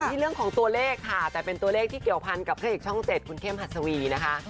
นี่เรื่องของตัวเลขค่ะแต่เป็นตัวเลขที่เกี่ยวพันกับพระเอกช่อง๗คุณเข้มหัสวีนะคะ